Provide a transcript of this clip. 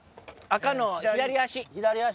赤の左足。